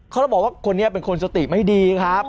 เขาต้องบอกว่าคนนี้เป็นคนสติไม่ดีครับ